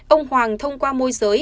ông hoàng thông qua môi giới